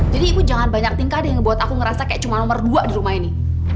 jadi ibu jangan banyak tingkah deh yang buat aku ngerasa kayak cuma nomor dua di rumah ini